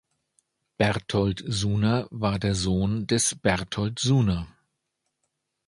Bertold Suhner war der Sohn des Bertold Suhner.